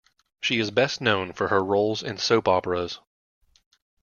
She is best known for her roles in soap operas.